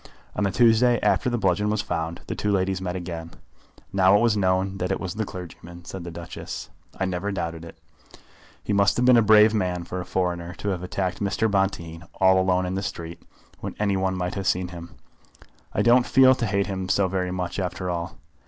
On the Tuesday after the bludgeon was found, the two ladies met again. "Now it was known that it was the clergyman," said the Duchess. "I never doubted it." "He must have been a brave man for a foreigner, to have attacked Mr. Bonteen all alone in the street, when any one might have seen him. I don't feel to hate him so very much after all.